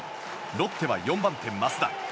ロッテは４番手、益田。